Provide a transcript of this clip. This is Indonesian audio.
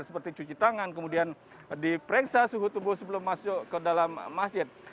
seperti cuci tangan kemudian diperiksa suhu tubuh sebelum masuk ke dalam masjid